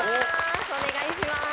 お願いします。